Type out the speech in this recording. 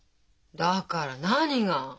だから何が？